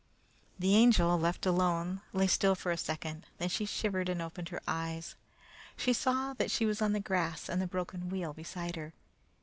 The Angel, left alone, lay still for a second, then she shivered and opened her eyes. She saw that she was on the grass and the broken wheel beside her.